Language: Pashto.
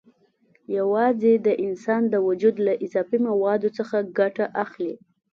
یوازې د انسان د وجود له اضافي موادو څخه ګټه اخلي.